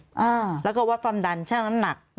อ่าแล้วก็วัดฟันดันเช่นน้ำหนัก